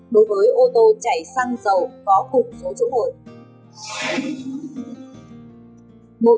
đối với ô tô chảy xăng dầu có cùng số chỗ mỗi